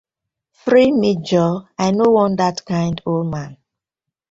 Free me joor, I no wan dat kind old man.